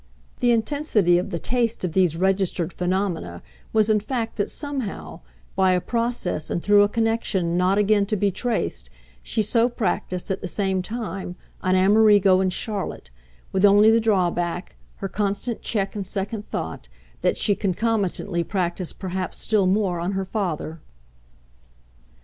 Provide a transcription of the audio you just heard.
The intensity of the taste of these registered phenomena was in fact that somehow, by a process and through a connexion not again to be traced, she so practised, at the same time, on Amerigo and Charlotte with only the drawback, her constant check and second thought, that she concomitantly practised perhaps still more on her father.